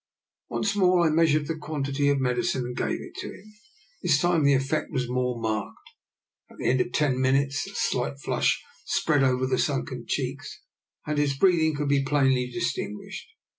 Once more I measured the quantity of medicine and gave it to him. This time the effect was more marked. At the end of ten minutes a slight flush spread over the sunken cheeks, and his breathing could be plainly distinguished.